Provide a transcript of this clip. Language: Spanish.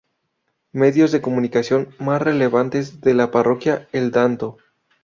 Medios de Comunicación Mas Relevantes de la Parroquia El Danto.